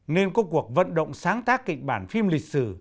nên có cuộc vận động sáng tác kịch bản phim lịch sử